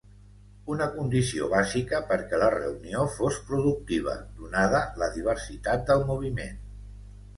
Una condició bàsica perquè la reunió fos productiva, donada la diversitat del moviment.